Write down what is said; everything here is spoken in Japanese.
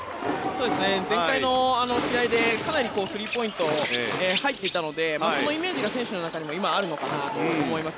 前回の試合で、かなりスリーポイント入っていたのでそのイメージが選手の中でも今あるのかなと思います。